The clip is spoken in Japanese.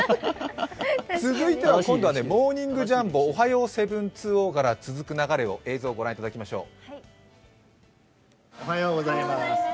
続いては「モーニングジャンボ」、「おはよう７２０」から続く流れの映像を御覧いただきましょう。